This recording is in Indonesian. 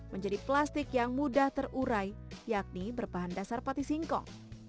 menjadi plastik yang mudah terurai yakni berbahan dasar pati singkong